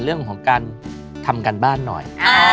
เรื่องของการทำการบ้านหน่อย